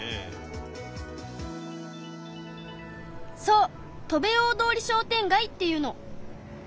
そう戸部大通り商店街っていうの。